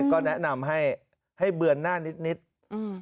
ก็แนะนำให้ให้เบือนหน้านิดนิดอืม